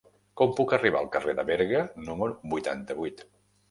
Com puc arribar al carrer de Berga número vuitanta-vuit?